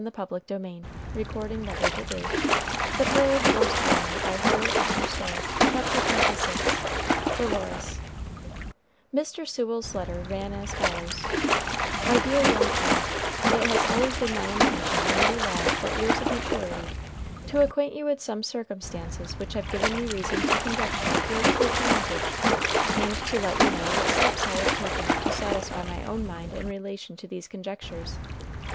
Moses stretched himself down on the clean pebbly shore of the grotto, and drew forth Mr. Sewell's letter. CHAPTER XXVI DOLORES Mr. Sewell's letter ran as follows: MY DEAR YOUNG FRIEND, It has always been my intention when you arrived at years of maturity to acquaint you with some circumstances which have given me reason to conjecture your true parentage, and to let you know what steps I have taken to satisfy my own mind in relation to these conjectures.